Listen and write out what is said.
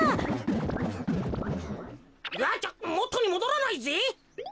うわっもとにもどらないぜ。